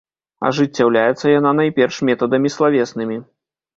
Ажыццяўляецца яна найперш метадамі славеснымі.